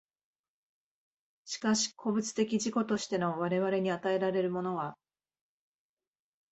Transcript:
しかし個物的自己としての我々に与えられるものは、